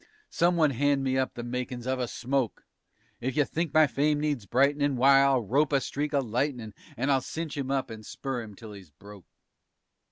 _ Some one hand me up the makin's of a smoke! If you think my fame needs bright'nin' W'y, I'll rope a streak of lightnin' _And I'll cinch 'im up and spur 'im till he's broke.